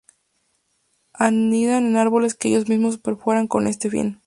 Anidan en árboles que ellos mismos perforan con ese fin.